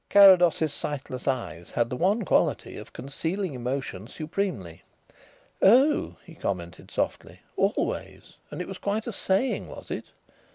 Carrados's sightless eyes had the one quality of concealing emotion supremely. "Oh," he commented softly, "always; and it was quite a saying, was it?